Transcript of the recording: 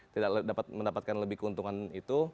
tidak dapat mendapatkan lebih keuntungan itu